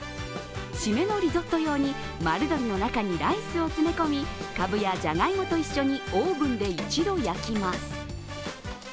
シメのリゾット用に丸鶏の中にライスを詰め込みかぶやじゃがいもと一緒にオーブンで一度焼きます。